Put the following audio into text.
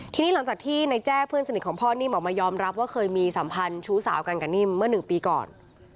ทีนี้หลังจากที่ในแจ้เพื่อนสนิทของพ่อนิ่มออกมายอมรับว่าเคยมีสัมพันธ์ชู้สาวกันกับนิ่มเมื่อ๑ปีก่อน